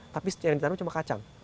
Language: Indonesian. tapi yang ditaruh cuma kacang